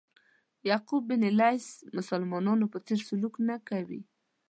یعقوب بن لیث مسلمانانو په څېر سلوک نه کوي.